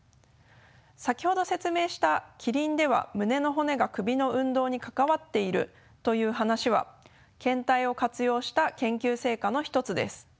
さきほど説明したキリンでは胸の骨が首の運動に関わっているという話は献体を活用した研究成果の一つです。